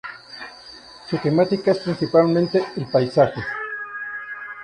Su temática es principalmente el paisaje.